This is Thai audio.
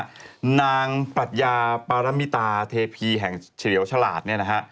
บอกว่านางปรัชญาปรมิตาเทพีแห่งเฉลียวฉลาด